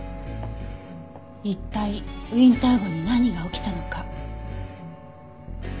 一体ウィンター号に何が起きたのか。